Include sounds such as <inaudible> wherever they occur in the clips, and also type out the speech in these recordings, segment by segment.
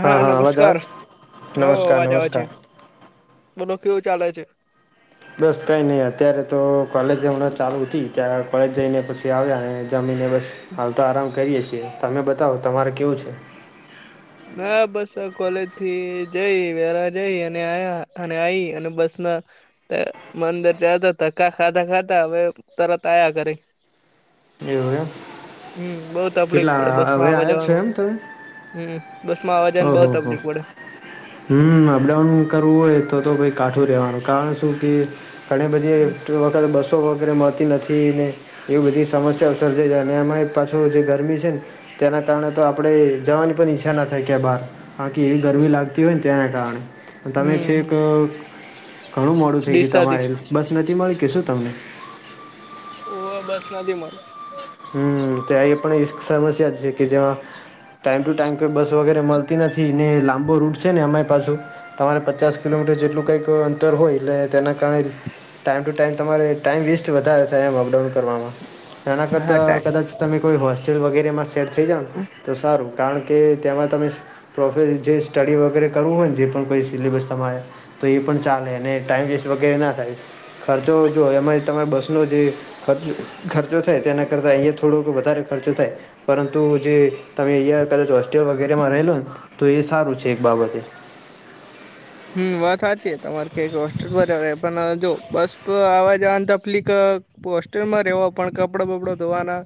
હા, અવાજ આવે નમસ્કાર. છે? હ, નમસ્કાર અવાજ આવે છે. નમસ્કાર મનો કેવું ચાલે છે? બસ, કંઈ નહીં. અત્યારે તો કોલેજ હમણાં ચાલુ હતી, ત્યારે કોલેજ જઈને પછી આવ્યા, અને જમીને બસ. હાલ તો આરામ કરીએ છીએ. તમે બતાવો, તમારે કેવું છે? ના, બસ કોલેજ થી જઈ વેરા જઈ, અને આયા અને આઈ, અને બસ, ના મંદિર જ તો ધકા ખાધા ખાતા, હવે તરત આયા કરી. એવું એમ હમ, બઉ તકલીફ કેટલા પડે હવે બસ માં આવ્યા છો આવવા-જવાવામાં. હમ. બસમાં આવે હ, હ, હ. હમ, અપડાઉન કરવું હોય તો, તો કાઠું રેવાનું કારણ કે ઘણી બધી વખત બસો વગેરે મળતી નથીને. એવી બધી સમસ્યાઓ સર્જાઈ જાય અને એમાં પાછું જે ગરમી છે ને તેના કારણે તો આપણે જવાની પણ ઈચ્છા નથી. થક્યા બહાર, બાકી એવી ગરમી લાગતી હોય ને, તેના કારણે. તમે હમ છે, એક ઘણું મોડું થઈ ગયું. ડીસાથી તમારે બસ નથી મળી કે શું તમને? કોઈ બસ નથી મળતી. હમ, તે આહી પણ સમસ્યા છે કે જે ટાઈમ ટુ ટાઈમ કોઈ બસ વગેરે મળતી નથી ને, લાંબો રૂટ છે ને અમારી પાછું તમારે પચાસ કિલોમીટર જેટલું કંઈક અંતર હોય, એટલે તેના કારણે. ટાઈમ ટુ ટાઈમ તમારે ટાઈમ વેસ્ટ વધારે થાય, એમાં અપડાઉન કરવામાં એના કરતા. હા ટાઈમ તમે કોઈ હોસ્ટેલ વગેરેમાં સેટ થઈ જાઓ ને, તો સારું, કારણ કે તેમાં તમે પ્રોફેસ જે સ્ટડી વગેરે કરવું હોય ને, જે પણ કોઈ સિલેબસ તમારે. તો એ પણ ચાલેને ટાઈમ વગેરે ના થાય. ખર્ચો જો, એમાં તમે બસ ને, જે ખર્ચો થાય તેને કરતા, અહીંયા થોડો વધારે ખર્ચો થાય, પરંતુ જે તમે અહીંયા કદાચ હોસ્ટેલ વગેરેમાં રહેલો ને, તો એ સારું છે એક બાબતે. હમ, વાત સાચી છે. તમારે ક હોસ્ટેલ બરાબર, પણ જો બસ આવવા જવાની તકલીફ. હોસ્ટેલમાં રહેવા, પણ કપડ બપડો ધોવાના.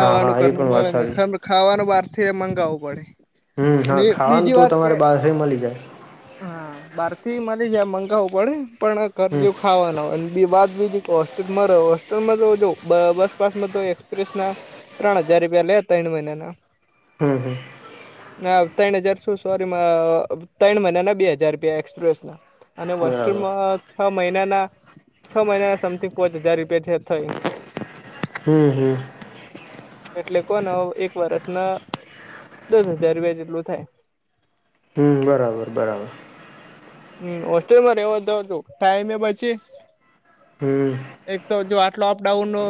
હા હા એ કરવું પણ વાત મળે ને, સારી ખાવાનું બહાર થી મગાવવું પડે. અને બીજી વાત કે ઘરે મળી જાય. હા, બહાર થી મારે જ્યાં મંગાવું પડે, પણ હમ કરજો. ખાવાના હો બાદ, બીજી હોસ્ટેલમાં રહે. હોસ્ટેલમાં તો જો બસપસમાં તો એક્સપ્રેસ ના ત્રણ હજાર રૂપિયા લે, ત્રણ મહિનાના. હમ, હમ. ના ત્રણ હજાર શું સોરી ત્રણ મહિને ના બે હાજાર રૂપિયા એક્સપ્રેસ ના અને બરાબર વસ્તુમાં છ મહિનાના છ મહિનાના સમથિંગ પોચ હજાર રૂપિયા થ્યા થઈ. હમ હમ. એટલે કોન એક વર્ષ ના દસ હજાર રૂપિયા જેટલું થાય. હમ બરાબર બરાબર. હમ હોસ્ટેલ મારે એવો ટાઈમે બછી હમ. એક તો જો આટલો અપડાઉન નો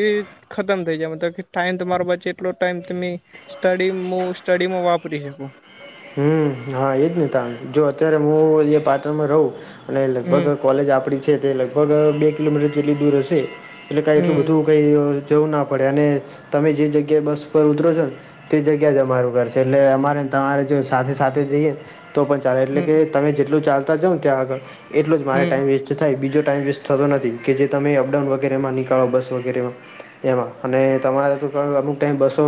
એ ખતમ થઈ જાય મતલબ કે ટાઈમ તમારો બચે એટલો ટાઈમ તમે સ્ટડી હું સ્ટડીમાં વાપરી શકું. હમ હા એજ નહીં તા જો અત્યારે હું પાટણમાં રહું અને લગભગ હમ કોલેજ આપણી છે તે લગભગ બે કિલોમીટર જેટલી દૂર હશે એટલે કાંઈ એટલું હમ બધું. કઈ જવું ના પડે અને તમે જે જગ્યા બસ પર ઉતરો છો ને તે જગ્યા જ અમારું ઘર છે એટલે અમારે તમારે સાથે સાથે જઈએને તો પણ ચાલે એટલે કે હમ તમે જેટલું ચાલતા જાવ ને ત્યાં આગળ એટલો જ મા હમ ટાઈમ વેસ્ટ થાય બીજો ટાઈમ વેસ્ટ થતો નથી કે જે તમે અપડાઉન વગેરે માં નીકળો બસ વગેરેમાં એમાં અને તમારે તો અમુક ટાઈમ બસો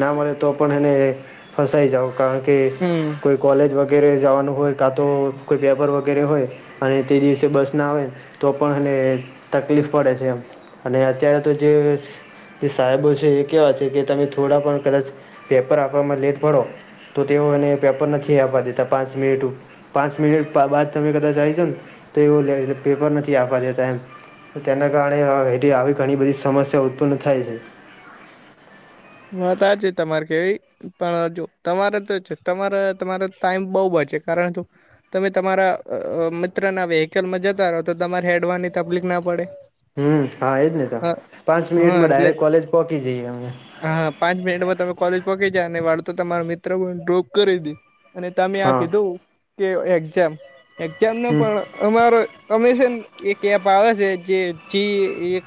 ના મળે તો પણ એને ફસાઈ જાઓ કારણ કે હમ કોઈ કોલેજ વગેરે જવાનું હોય કાં તો કોઈ પેપર વગેરે હોય. અને તે દિવસે બસ ના આવે તો પણ અનેને તકલીફ પડે છે એમ અને અત્યારે તો જે કે સાહેબો છે એ કેહેવા છે કે તમે થોડા પણ કદાચ પેપર આપવામાં લેટ પડો તો તેઓ એને પેપર નથી આપવા દેતા પાંચ મિનિટ પાંચ મિનિટ બાદ તમે કદાચ જાયજો ને તો એવો પેપર નથી આપવા દેતા એમ તેના કારણે આવી ઘણી બધી સમસ્યા ઉત્પન્ન થાય છે. વાત સાચી તમારે કેવી પણ જો તમારે તો તમારે તમારે ટાઈમ બઉ બચે કારણ જો તમે તમારા મિત્ર ના વેહકલમાં જતા રહો તો તમારે હેડવાની તકલીફ ના પડે હમ હા એજ નહ તો અ પાંચ હા મિનિટમાં એટલે ડાયરેક્ટ કોલેજ પહોકી જઈએ અમે હા પાંચ મિનિટમાં તમે કોલેજ પોહકી જયા અને વાળું તો તમારો મિત્ર પણ ડ્રોપ કરી દી અને તમે આ હા કીધું કે એક્ઝામ એક્ઝામ નુ હમ પણ અમારો અમે શન એક એપ આવે છે જે જે એક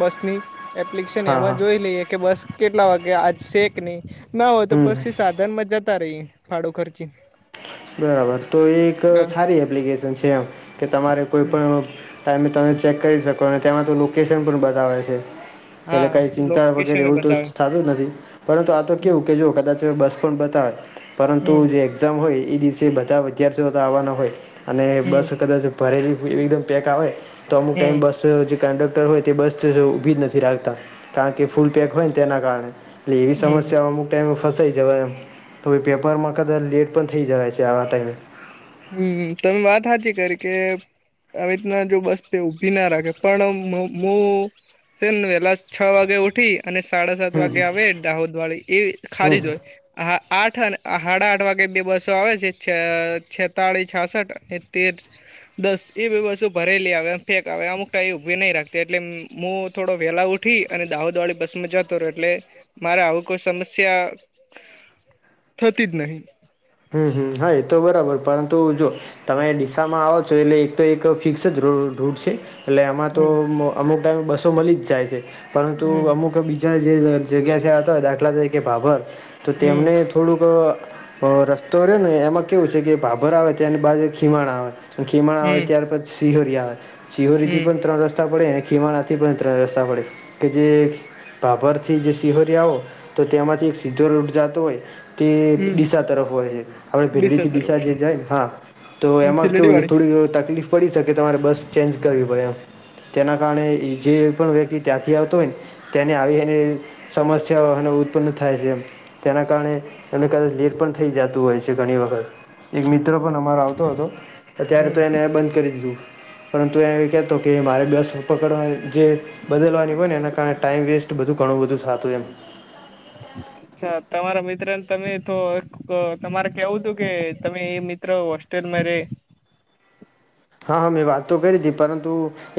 બસની એપ્લિકેશન હા હા એમાં જોઈ લઈએ કે બસ કેટલા વાગે આજ શેક નહી ના હોય તો હમ પછી સાત ધન મજ જાતા રહી ફાડો ખરચી બરાબર તો એ એક સારી એપ્લિકેશન છે એમ કે તમારે કોઈ પણ ટાઈમે તમે ચેક કરી શકો અને તેમાં તો લોકેશન પણ બતાવે છે. પેલે હા કઈ ચિંતા વગેરે લોકેશન એ એવું તો બતાવે થતું જ નથી પરંતુ આ તો હમ કેવું કે જો કદાચ બસ પણ બતા પરંતુ હમ જે એક્ઝામ હોય એ દિવસે બધા વિદ્યાર્થીઓ તો આવવાના હોય અને હમ બસ કદાચ ભરેલી એકદમ પેંક આવે તો અમુક ટાઈમ હમ બસ બ જે કંડક્ટર હોય તે બસ ઊભી જ નથી રાખતા કારણ કે ફૂલ પેક હોય ને તેના કારણે એટલે એવી હમ સમસ્યાઓ અમુક ટાઈમે ફસાઈ જવા એમ તો ઈ પેપરમાં કદાચ લેટ ઓપન થઈ જવાય છે આવા ટાઈમે. હમ તમે વાત હાજી કરી કે. આવી રીતના જો બસ તે ઊભી ના રાખે પણ હું સેમને વેલા છ વાગે ઉઠી અને સાડા સાત વાગે હમ આવે દાહોદ વાળી એ હમ ખાલીજ હોય. હા આઠ સાડા આઠ વાગે બે બસો આવે છ છે. તાળી છાસઠ અને તેર દસ એ બી વસ્તુ ભરેલી આવેમ પેક આવે અમુક ટાઈમ એ ઉભી નહી રાખતી એટલે હું થોડો વેલા ઉઠી અને દાહોદ વાળી બસ માં જતો ર એટલે મારે આવું કોઈ સમસ્યા થતી જ નહી. હમ્મ, હમ્મ હા એતો બરાબર પરંતુ જો તમે ડીસામાં આવો છો એટલે એક તો એક ફિક્સ જ રૂટ છે. એટલે આમાં તો હમ અમુક ટાઈમે બસો મલીજ જાય છે પરંતુ હમ અમુક જે જગ્યા છે આતો દાખલા તરીકે ભાભર તો હમ તેમને થોડુંક રસ્તો રહે્યો ને એમાં કેવું છે કે ભાભર આવે ત્યારની બાજ ખીવાણ આવે અને ખીવાણ આવે હમ ત્યાર પછી સિહોરી આવે, સિહોરીથી હમ પણ ત્રણ રસ રસ્તા પડે અને ખીમાડાથી પણ ત્રણ રસ્તા પડે કે જે બાભરથી જે શિહોરી આવો, તો તેમાંથી એક સીધો રૂટ જતો હોય તે હમ ડીસા તરફ હોય છે, આપણે ભેરડીથી ડીસા જે જાયને હા, તો એમાં પીલડી કેવું વાળી થોડી તકલીફ પડી શકે, તમારે બસ ચેન્જ કરવી પડે, એમ તેના કારણે જે પણ વ્યક્તિ ત્યાંથી આવતો હોય ને તેને આવી એની સમસ્યાનો ઉત્પન્ન થાય છે, એમ. તેના કારણે એને કદાચ લીર પણ થઈ જતું હોય છે, ઘણી વખત એક મિત્ર પણ અમારો આવતો હતો. અત્યારે હમ તો એને બંધ કરી દીધું. પરંતુ એ એ કહેતો કે મારે બસ પકડવા જે બદલવાની હોય ને એના કારણે ટાઈમ વેસ્ટ બધું ઘણું બધું થતું, એમ. <unintelligible> અ્છા તમારા મિત્ર ને તમે તો તમારે કેવું તું કે તમે એ મિત્ર હોસ્ટેલમાં રે હા, હા, મેં વાત તો કરી હતી, પરંતુ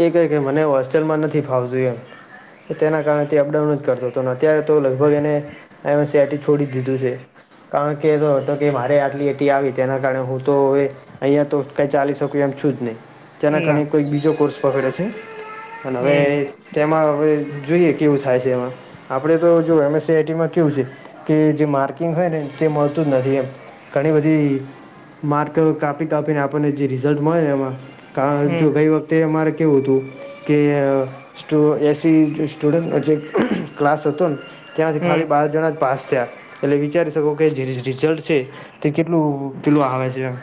એ કહે કે મને હોસ્ટેલમાં નથી ફાવતું, એમ. તેના કારણે તે અપડાઉન જ કરતો હતો, ને અત્યારે તો લગભગ એને એમે સેટી છોડી દીધું છે. કારણ કે એ તો હતો કે મારે આટલી એટી આવી તેના કારણે હું તો અવે અહીયા તો કઈ ચાલી શકું એમ છું જ નઈ, તેના ના કારણે કોઈક બીજો કોર્સ પકડે છે અને હવે હમ તેમાં હવે જોઈએ કેવું થાય છે એમાં. આપડે તો જો એમ એસ આઈટીમાં કેવું છે કે જે માર્કિંગ હોય ને તે મળતું જ નથી એમ, ઘણી બધી માર્ક કાપી કાપીને આપણને જે રિઝલ્ટ મળે ને એમાં, કારણ જો હમ ગઈ વખતે તે અમારે કેવું હતું કે સુ એસી સ્ટુડન્ટ જે ક્લાસ હતું ને ત્યાંથી ખાલી હમ બાર જણા જ પાસ થયા. એટલે વિચારી શકો કે જે રિઝલ્ટ છે, તે કેટલું પેલું આવે છે.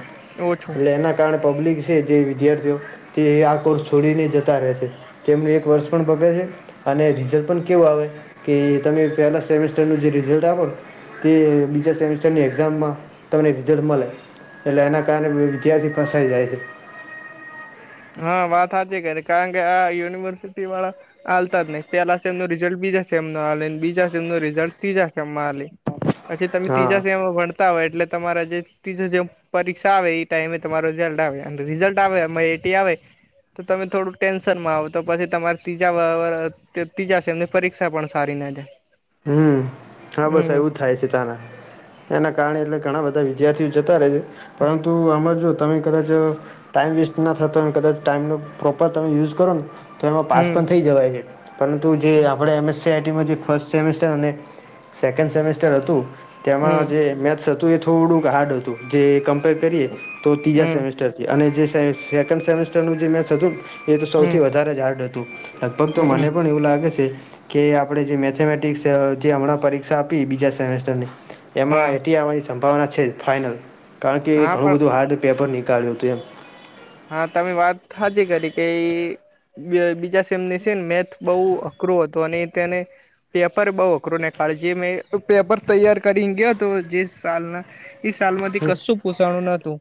ઓછું એટલે એના કારણે પબ્લિક છે જે વિદ્યાર્થીઓ તે આ કોર્સ છોડીને જતા રહે છે. તેમનું એક વર્ષ પણ બગડે છે. અને રિઝલ્ટ પણ કેવું આવે, કે તમે પહેલા સેમેસ્ટરનું જે રિઝલ્ટ આપો તે બીજા સેમેસ્ટરની એક્ઝામમાં તમને રિઝલ્ટ મલે એટલે એના કારણે વિદ્યાર્થી ફસાય જાય છે. હા, વાત હાચી કરી કારણકે આ યુનિવર્સિટી વાળા હાલતા જ નહી. પહેલા સેમનું રિઝલ્ટ બીજા સેમ ના હાલે, બીજા સેમનું રિઝલ્ટ ત્રીજા સેમમાં હાલે પછી તમે હા ત્રીજા સેમમાં ભણતા હોય, એટલે તમારા જે ત્રીજો સેમ પરીક્ષા આવે એ ટાઈમે તમારો રિઝલ્ટ આવે અને રિઝલ્ટ આવે અ એટી આવે તો તમે થોડુંક ટેન્શનમાં આવ, તો પછી તમારે ત્રીજા <unintelligible> વ્યક્તિ જાશે અને પરીક્ષા પણ સારી ના જાય. હમ્મ હા બસ હમ એવું થાય છે તારા. એના કારણે એટલે ઘણા બધા વિદ્યાર્થીઓ જતા રહે છે પરંતુ આમાં જો તમે કદાચ ટાઈમ વેસ્ટ ના થાય તો કદાચ ટાઈમનો પ્રોપર તમે યુઝ કરો ને તો એમાં પાસ હમ પણ થઈ જવાય છે, પરંતુ જે આપણેે એમ એસ આટીમાં જે ફર્સ્ટ સેમેસ્ટર અને સેકન્ડ સેમેસ્ટર હતું, તેમાં હમ જે મેથ્સ હતું એ થોડુંક હાર્ડ હતું જે કમ્પેર કરીએ, તો ત્રીજા હમ સેમેસ્ટર અને જે સેકન્ડ સેમેસ્ટરનું જે મેચ હતું, એતો હમ સૌથી વધારે જ હાર્ડ હતું લગભગ તો હમ મને પણ એવું લાગે છે કે આપડે જે મેથેમેટ ઠીક છે, જે હમણાં પરીક્ષા આપી બીજા સેમેસ્ટર ની એમાં હા એટી સંભાવના છે જ ફાઇનલ, કારણકે એ હા ઘણું પણ બધું હાર્ડ પેપર નીકાળ્યું હતું, એમ. હા તમે વાત હાચી કરી કે બીજા સેમને છે ને મેથ બહુ અખરુ હતો અને તેને પેપર બહુ અઘરું ને કાલ જે મેં પેપર તૈયાર કરીને ગયો તો જે સાલના એ સાલમાંથી કશું પોષણું નતું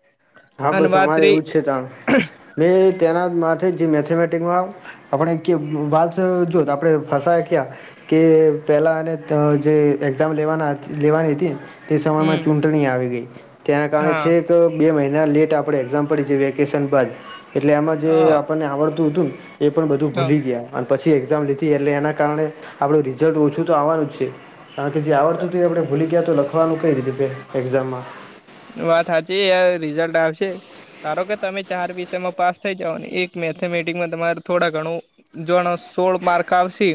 અને વાત રેહી <unintelligible> ને તેના માટે મેથેમેટિકમાં આપણે કેવુ વાત જો આપણે ફસાઈ ગયા. કે પહેલાને ત્યાં જે એ એક્ઝામ લેવા લેવાની હિતી. તે સમયમાં હમ ચૂંટણી આવી ગઈ તેના કારણે છે હા તો આપડો બે મહિના લેટ આપણે એક્ઝામ પડી છે વેકેશન બાદ. એટલે એમાં જે આપણને આવડતું હું તું ને એ પણ બધું અ ભૂલી ગયા. અને પછી એક્ઝામ લીધી એટલે એના કારણે આપડું રિઝલ્ટ ઓછું તો આવવાનો જ છે. કારણ કે જે આવડતું હતું એ આપણે ભૂલી ગયા તો લખવાનું કઈ રીતે એક્ઝામમાં. તો વાત હાચી યાર રિઝલ્ટ આવશે. ધારો કે તમે ચાર વિષયમાં પાસ થઈ જાઓ ને એક મેથેમેટિકમાં તમારે થોડા ઘણું જોણ સોળ માર્ક આવશે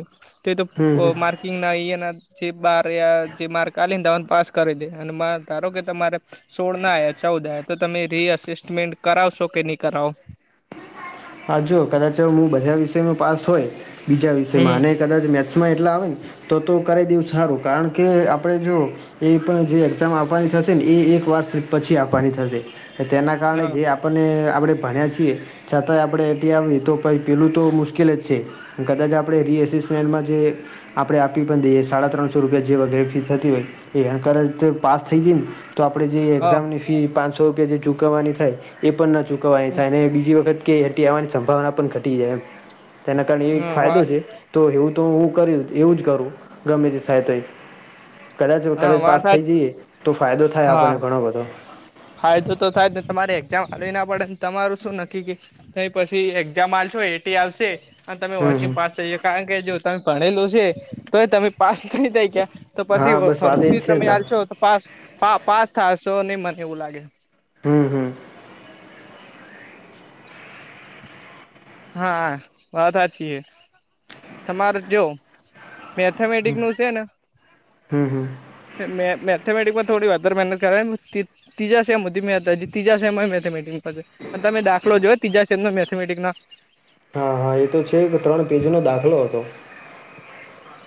તે તો હમ હમ આ માર્કિંગ ના ઈ યે ના જે બાર રહ્યા જે માર કાલીને પાસ કરી દે અને મા ધારો કે તમારે સોળ ના આયા ચૌદ આયા તો તમે રીઅસેસમેન્ટ કરાવશો કે નહી કરાવો. હા જો કદાચ હું બધા વિષયમાં પાસ હોય બીજા વિષયમાં હમ અને કદાચ મેક્સ માં એટલા આવે ને તો તો કરી દેવું હારું કારણ કે આપડે જો એ પણ જે એક્ઝામ આપવાની થશે ને એ એક વર્ષ પછી આપવાની થશે. તેના કારણે હા જે આપણને આપણે ભણ્યા છીએ છત તા કાચ આપણે એથી આવી તો પછી પેલું તો મુશ્કેલ જ છે કદાચ આપણે રીએસિસમેન્ટમાં જે આપડે આપી પણ દઈએ સાડા ત્રણસો રૂપિયા જે વગેરે ફીસ થતી હોય. ઈ એન કર જે પાસ થઈ જઈએ ને તો આપણે જે હા એક્ઝામની ફી પાંચસો રૂપિયા જે ચૂકવવાની થાય એ પણ ન ચૂકવવાની થાય અને બીજી વખત કે કેટી આવવાની સંભાવના પણ ઘટી જાય એમ તેના કારણે એ એક ફાયદો હ છે. તો એવું તો હું કરીત એવું જ કરું ગમે તે થાય તે. કદાચ જો હા કદાચ વાત પાસ થઈ જઈએ તો ફાયદો થાય હા આપણને ઘણો બધો. ફાયદો તો થાય ને તમારે એક્ઝામ આવી ના પડે ને તમારું શું નક્કી કે તોય પછી એક્ઝામ માલશો એટી આવશે આ તમે હમ હમ વચિંગ પાસ થઈ જ કારણ કે જો તમે ભણેલું છે તો એ તમે પાસ થાય <unintelligible> ક્યા. તો પછી હા બસ વાત એ ફરથી જ છે તમે ને તાર આશો પાસ પાસ થશો નહી મને એવું લાગે. હમ્મ હમ. હા વાત હાચી એ. તમારુ જો મેથેમેટિક નું છે ને હમ હમ મે મેથમેટિકમાં થોડી વધારે મહેનત કરે <unintelligible> ત્રીજા સેમ હતી મે થે જી ત્રીજા સેમ માં મેથથેમેટિકસ હ તે તમે દાખલો જોયો ત્રીજા સેમના મેથેમેટિક ના. હા હા એ તો છે જ ત્રણ પેજ નો દાખલો હતો.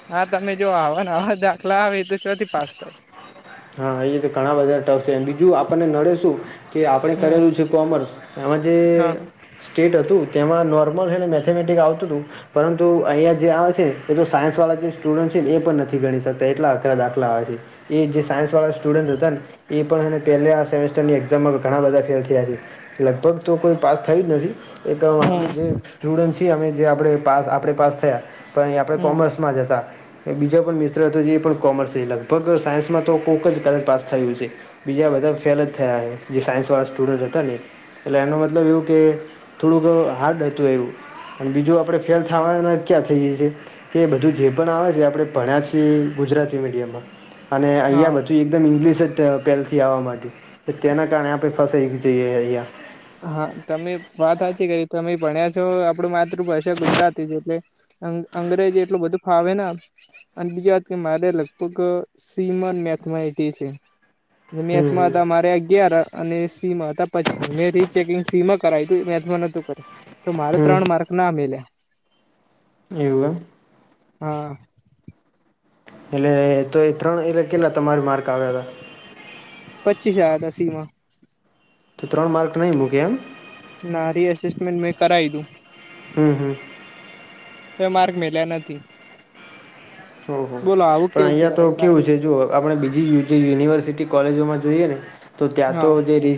હા તમે જો આવવાને આવા દાખલા આવે તો શ્યોથી પાસ થાય. હા એ તો ઘણા બધા ટફ છે બીજું આપણને નડે શું. કે આપણે હમ કરેલું છે કોમર્સ એમાં જે હા સ્ટેટ હતું તેમાં નોર્મલ છેને, મેથેમેટિક આવતું હતું. પરંતુ અહિયા જે આવે છે એ તો સાયન્સ વાળા જે સ્ટુડન્ટ છે ને એ પણ નથી ગણી શકતા એટલા આગરા દાખ <unintelligible> એ જે સાયન્સવાળા સ્ટુડન્ટ હતા ને એ પણ પહેલા આ સેમેસ્ટરની એઝામમાં ઘણા બધા ફેલ થયા છે. લગભગ તો કોઈ પાસ થઇ જ નથી. એક અમે જે હમ સ્ટુડન્ટ છીએ અમે જે આપણે પા આપણે પાસ થયા. પણ આપણે હમ કોમર્સમાં જ હતા, બીજો પણ મિત્ર હતો જે પણ કોમર્સ લગભગ સાયન્સમાં તો કોઈક જ કરે પાસ થયું છે. બીજા બધા ફેલ જ થયા, જે સાયન્સ વાળા સ્ટુડન્ટ હતા ને એટલે એનો મતલબ એવું કે થોડુંક હાર્ડ હતું એવું. અને બીજું, આપડે ફેલ થવાય ક્યાં થઈ જાયી. કે બધું જે પણ આવે છે આપણે ભણ્યા છીએ ગુજરાતી મીડિયમમાં અને હા અહીંયા બધું એકદમ ઇંગ્લિશ જ પહેલેથી આવવા માંડી, તેના કારણે આપણે ફસાઈ જઈએ અહીંયા. હા, તમે વાત સાચી કરી. તમે ભણ્યા છો, આપડે માતૃભાષા ગુજરાતી છે એટલે અ, અંગ્રેજ એટલું બધું ફાવે ને. અને બીજા વાત કે, મારે લગભગ સીમન મેથમેટી એટી છે. હમ મેક્સમાં હમ હતા, મારે અગિયાર અને સી માં હતા પછી મે ચેકિંગ સીમાં કરે, મેમાં નતું કરે, તો મારે ત્રણ હમ માર્ક ના મેલ્યા. એવું. હા. એટલે તો એ ત્રણ એટલે કેટલા તમારી માર્ક આવ્યા હતા? પચીસ આવ્યા હતા, સી મા. તો ત્રણ માર્ક નહીં મૂકે એમ. ના રી એસેસમેન્ટ મેં કરાવ્યું. હમ, હમ. તો એ માર્ક મેલ્યા નથી. ઓહ, બોલો આવું પણ કેવું અહિયાં કરે તો કેવું છે જોઓ. આપણે બીજી જે યુનિવર્સિટી કોલેજોમાં જોઈએ ને, તો ત્યાં તો હા જે રી